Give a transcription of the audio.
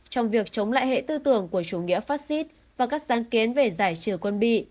trong việc chống lại hệ tư tưởng của chủ nghĩa phát xít và các sáng kiến về giải trừ quân bị